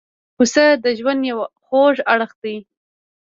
پسه د ژوند یو خوږ اړخ دی.